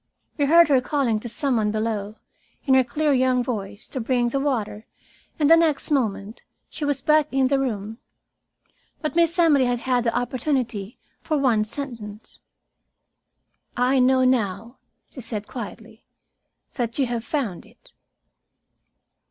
We heard her calling to some one below, in her clear young voice, to bring the water, and the next moment she was back in the room. But Miss Emily had had the opportunity for one sentence. "I know now," she said quietly, "that you have found it."